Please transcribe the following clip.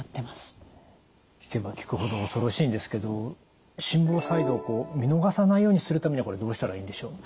聞けば聞くほど恐ろしいんですけど心房細動見逃さないようにするためにはこれどうしたらいいんでしょう？